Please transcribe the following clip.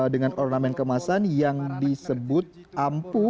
dengan ornamen kemasan yang disebut ampu